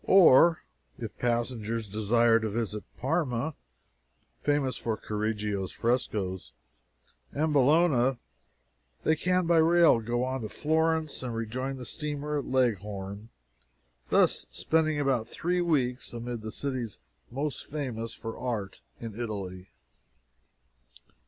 Or, if passengers desire to visit Parma (famous for Correggio's frescoes) and Bologna, they can by rail go on to Florence, and rejoin the steamer at Leghorn, thus spending about three weeks amid the cities most famous for art in Italy.